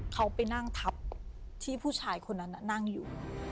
เขาไปนั่งทับที่ผู้ชายคนนั้นนั่งอยู่